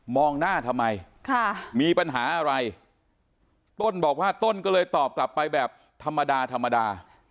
หน้าทำไมมีปัญหาอะไรต้นบอกว่าต้นก็เลยตอบกลับไปแบบธรรมดาธรรมดา